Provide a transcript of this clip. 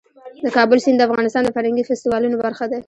د کابل سیند د افغانستان د فرهنګي فستیوالونو برخه ده.